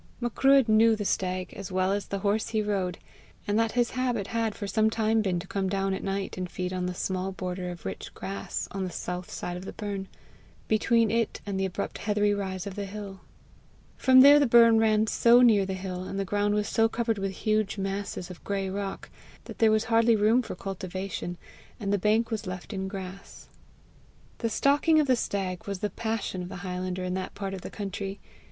Macruadh knew the stag as well as the horse he rode, and that his habit had for some time been to come down at night and feed on the small border of rich grass on the south side of the burn, between it and the abrupt heathery rise of the hill. For there the burn ran so near the hill, and the ground was so covered with huge masses of grey rock, that there was hardly room for cultivation, and the bank was left in grass. The stalking of the stag was the passion of the highlander in that part of the country.